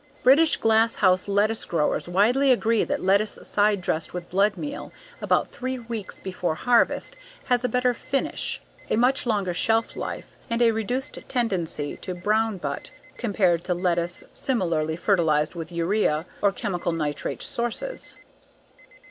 British glasshouse lettuce growers widely agree that lettuce sidedressed with blood meal about three weeks before harvest has a better "finish," a much longer shelf life, and a reduced tendency to "brown butt" compared to lettuce similarly fertilized with urea or chemical nitrate sources.